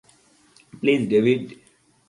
Please, David!